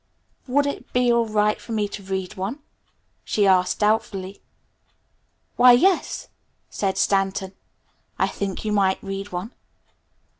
"Would it be all right for me to read one?" she asked doubtfully. "Why, yes," said Stanton. "I think you might read one."